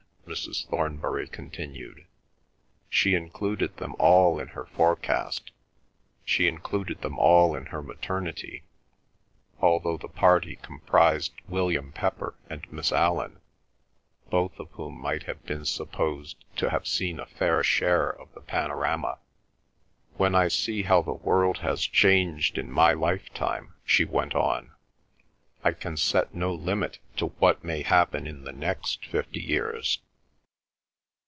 Mrs. Thornbury continued. She included them all in her forecast, she included them all in her maternity, although the party comprised William Pepper and Miss Allan, both of whom might have been supposed to have seen a fair share of the panorama. "When I see how the world has changed in my lifetime," she went on, "I can set no limit to what may happen in the next fifty years.